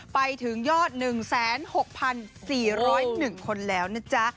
ไปถึงยอดหนึ่งแซนหกพันสี่ร้อยหนึ่งคนแล้วนะจ๊ะ